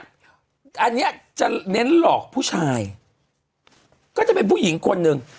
อันนี้จะเน้นหลอกผู้ชายก็จะเป็นผู้หญิงคนหนึ่ง